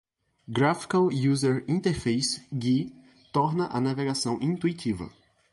Graphical User Interface (GUI) torna a navegação intuitiva.